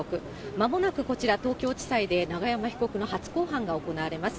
まもなくこちら、東京地裁で永山被告の初公判が行われます。